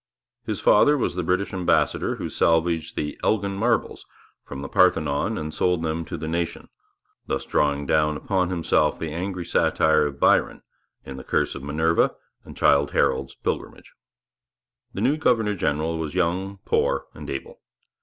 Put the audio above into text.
His father was the British ambassador who salvaged the 'Elgin marbles' from the Parthenon and sold them to the nation, thus drawing down upon himself the angry satire of Byron in 'The Curse of Minerva' and 'Childe Harold's Pilgrimage.' The new governor general was young, poor, and able.